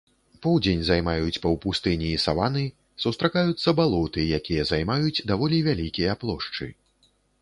Поўдзень займаюць паўпустыні і саваны, сустракаюцца балоты, якія займаюць даволі вялікія плошчы.